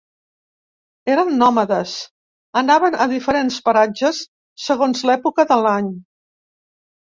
Eren nòmades: anaven a diferents paratges segons l'època de l'any.